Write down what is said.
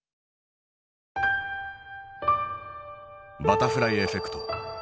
「バタフライエフェクト」。